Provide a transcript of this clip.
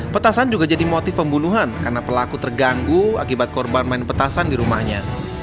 petasan juga jadi motif pembunuhan karena pelaku terganggu akibat korban main petasan di rumahnya